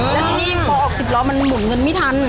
แล้วทีนี้พอออก๑๐ล้อมันหมุนเงินไม่ทัน